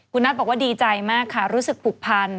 คุณนัทบอกว่าดีใจมากค่ะรู้สึกผูกพัน